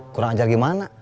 kurang ajar gimana